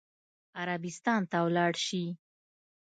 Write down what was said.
عربستان ته ولاړ شي.